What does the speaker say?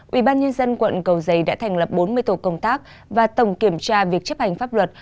ubnd quận cầu giấy đã thành lập bốn mươi tổ công tác và tổng kiểm tra việc chấp hành pháp luật